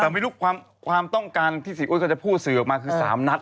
แต่ไม่รู้ความต้องการที่เสียอ้วนเขาจะพูดสื่อออกมาคือ๓นัด